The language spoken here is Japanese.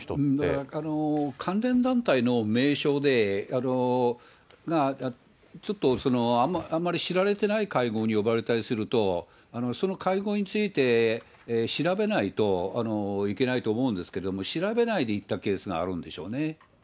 だから関連団体の名称が、ちょっとあんまり知られてない会合に呼ばれたりすると、その会合について調べないといけないと思うんですけども、調べないで行ったケースがあるんでしょうね。